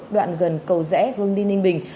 đoạn gần cầu rẽ hương đi ninh bình